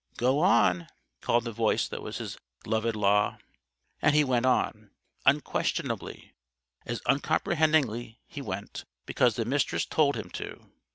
"Go on!" called the voice that was his loved Law. And he went on. Unquestionably, as uncomprehendingly, he went, because the Mistress told him to!